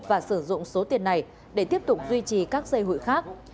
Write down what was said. thú và sử dụng số tiền này để tiếp tục duy trì các giây hụi khác